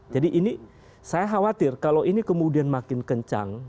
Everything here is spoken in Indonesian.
jadi ini saya khawatir kalau ini kemudian makin kencang